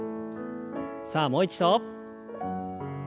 さあもう一度。